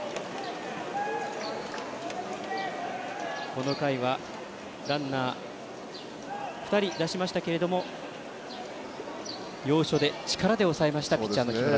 この回は、ランナー２人出しましたけれども要所で力で抑えましたピッチャーの木村。